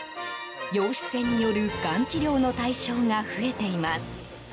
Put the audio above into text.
陽子線によるがん治療の対象が増えています。